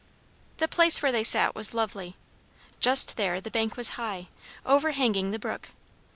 The place where they sat was lovely. Just there the bank was high, overhanging the brook.